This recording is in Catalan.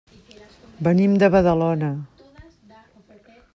Venim de Badalona.